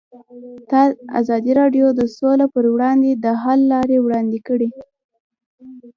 ازادي راډیو د سوله پر وړاندې د حل لارې وړاندې کړي.